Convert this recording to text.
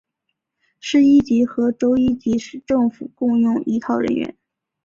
市一级和州一级政府共用一套人员。